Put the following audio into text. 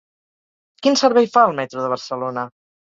Quin servei fa el metro de Barcelona?